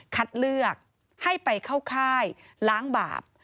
คัดเลือกให้ไปเข้าค่ายล้างบาป